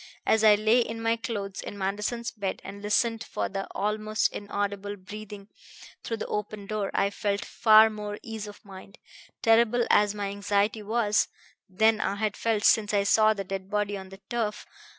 As I lay in my clothes in Manderson's bed and listened for the almost inaudible breathing through the open door I felt far more ease of mind, terrible as my anxiety was, than I had felt since I saw the dead body on the turf.